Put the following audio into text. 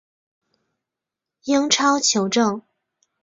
英超球证